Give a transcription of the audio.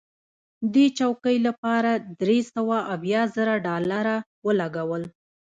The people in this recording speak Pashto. دې چوکۍ لپاره درې سوه اویا زره ډالره ولګول.